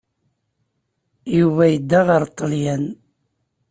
Yuba yedda ɣer Ṭṭalyan.